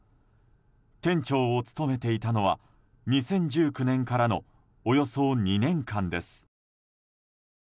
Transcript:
店長を務めていたのは２０１９年からのおよそ２年間です。